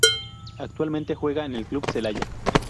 Actualmente juega en el Club Celaya.